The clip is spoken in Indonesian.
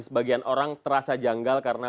sebagian orang terasa janggal karena